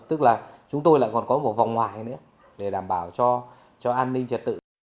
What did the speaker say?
tức là chúng tôi lại còn có một vòng ngoài nữa để đảm bảo cho an ninh trật tự